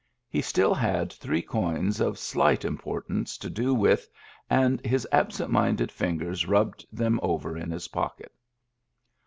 He still had three coins of slight impor tance to do it with, and his absent minded fingers rubbed them over in his pocket.